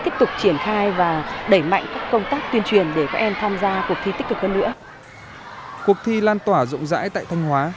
cuộc thi lan tỏa rộng ràng